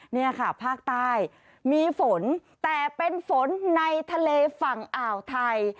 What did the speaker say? นี่ค่ะภาคใต้มีฝนแต่เป็นฝนในทะเลฝั่งอ่าวไทย